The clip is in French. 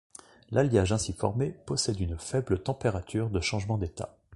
L'alliage ainsi formé possède une faible température de changement d'état.